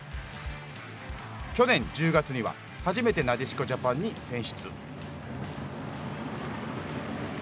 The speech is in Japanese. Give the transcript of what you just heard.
去年１０月には初めてなでしこジャパンに選出。